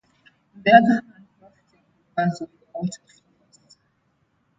On the other hand, rafting requires wider waterflows.